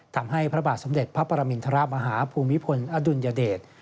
พระบาทสมเด็จพระปรมินทรมาฮาภูมิพลอดุลยเดช